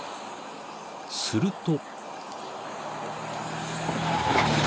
［すると］